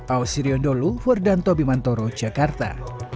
ausirion dholu ferdanto bimantoro jakarta